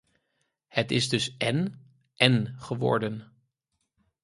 Het is dus én... én geworden.